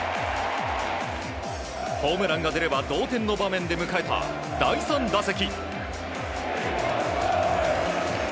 ホームランが出れば同点の場面で迎えた第３打席。